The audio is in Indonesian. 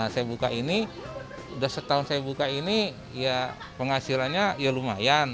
saya buka ini udah setahun saya buka ini ya penghasilannya ya lumayan